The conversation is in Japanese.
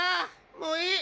もういい！